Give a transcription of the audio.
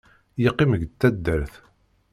Yeqqim g taddart.